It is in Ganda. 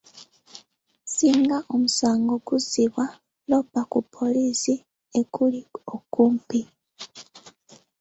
Singa omusango guzzibwa, loopa ku poliisi ekuli okumpi.